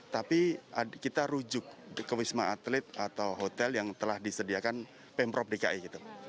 tapi kita rujuk ke wisma atlet atau hotel yang telah disediakan pemprov dki gitu